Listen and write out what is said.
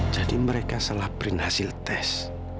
jadi mereka salah print hasil tes